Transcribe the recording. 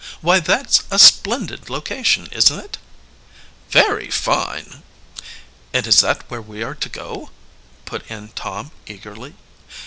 "Why, that's a splendid location, isn't it?" "Very fine." "And is that where we are to go?" put in Tom eagerly.